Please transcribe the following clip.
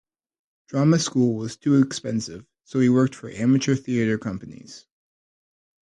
Drama school was too expensive so he worked for amateur theatre companies.